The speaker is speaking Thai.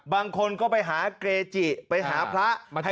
บางคนก็ไปหาเกจิไปหาพระ